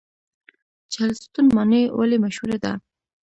چهلستون ماڼۍ ولې مشهوره ده؟